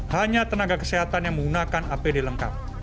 hanya tenaga kesehatan yang menggunakan apd lengkap